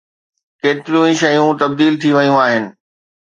ڪيتريون ئي شيون تبديل ٿي ويون آهن.